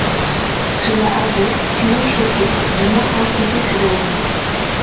Cela avait, sinon choqué, du moins inquiété ces derniers.